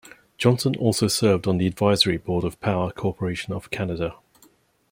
Johnson also served on the advisory board of Power Corporation of Canada.